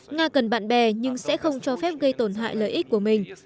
nga cần bạn bè nhưng sẽ không cho phép gây tổn hại lợi ích của mình